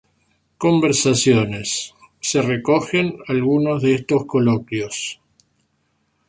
Conversaciones" se recogen algunos de estos coloquios.